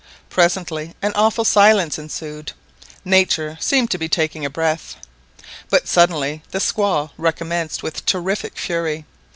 Presently an awful silence ensued. Nature seemed to be taking breath; but suddenly the squall recommenced with terrific fury.